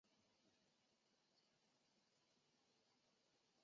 他们的鬼魂一直在丁默山和哈洛谷一带的山谷中徘徊。